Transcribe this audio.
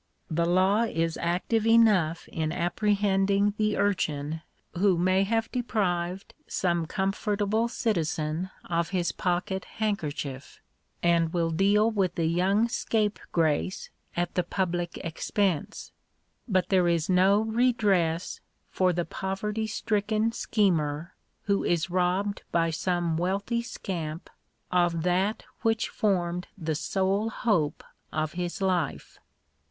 The law is active enough in apprehending the urchin who may have deprived some comfortable citizen of his pocket handkerchief, and will deal with the young scapegrace at the public expense ; but there is no redress for the poverty stricken schemer who is robbed by some wealthy scamp of that which formed the sole hope of his life.